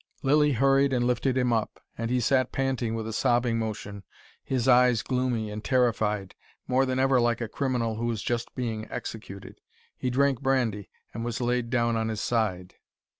Lilly hurried and lifted him up, and he sat panting with a sobbing motion, his eyes gloomy and terrified, more than ever like a criminal who is just being executed. He drank brandy, and was laid down on his side.